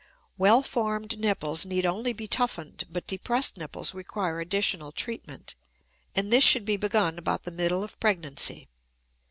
Well formed nipples need only be toughened, but depressed nipples require additional treatment; and this should be begun about the middle of pregnancy.